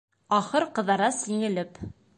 Ахыр Ҡыҙырас, еңелеп: